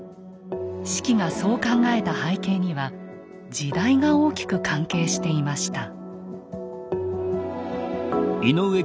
子規がそう考えた背景には時代が大きく関係していました。